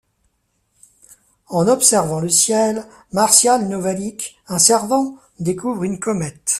En observant le ciel, Martial Novalic, un savant, découvre une comète.